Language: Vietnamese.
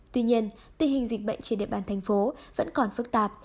tuy nhiên tình hình dịch bệnh trên địa bàn thành phố vẫn còn phức tạp